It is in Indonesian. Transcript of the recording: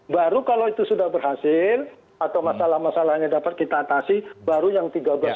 baru kalau itu sudah berhasil atau masalah masalahnya dapat kita atasi baru yang tiga belas